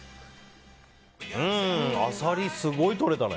アサリ、すごいとれたね。